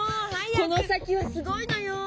この先はすごいのよ。